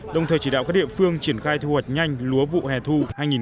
đồng thời chỉ đạo các địa phương triển khai thu hoạch nhanh lúa vụ hẻ thu